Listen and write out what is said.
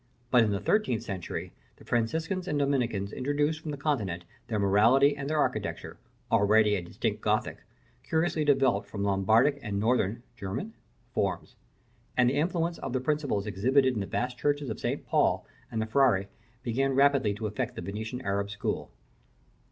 But, in the thirteenth century, the Franciscans and Dominicans introduced from the continent their morality and their architecture, already a distinct Gothic, curiously developed from Lombardic and Northern (German?) forms; and the influence of the principles exhibited in the vast churches of St. Paul and the Frari began rapidly to affect the Venetian Arab school.